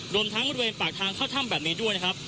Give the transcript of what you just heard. รวมทั้งบริเวณปากทางเข้าถ้ำแบบนี้ด้วยนะครับ